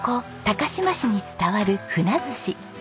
高島市に伝わる鮒寿し。